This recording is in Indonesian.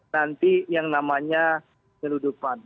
nanti yang namanya peneludupan